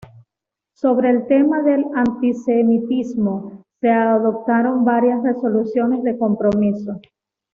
Sobre el tema del antisemitismo, se adoptaron varias resoluciones de compromiso.